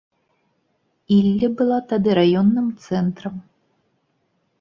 Ілля была тады раённым цэнтрам.